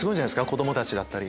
子供たちだったり。